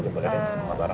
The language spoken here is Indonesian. ini boleh ya sama tuara